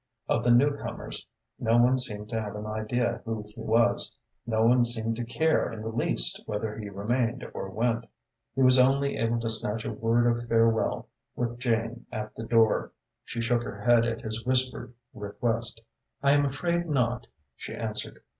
Of the newcomers, no one seemed to have an idea who he was, no one seemed to care in the least whether he remained or went, He was only able to snatch a word of farewell with Jane at the door. She shook her head at his whispered request. "I am afraid not," she answered.